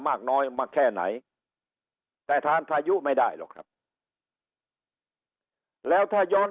มากน้อยมากแค่ไหนแต่ทานพายุไม่ได้หรอกครับแล้วถ้าย้อน